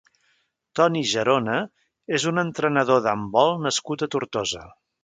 Toni Gerona és un entrenador d'handbol nascut a Tortosa.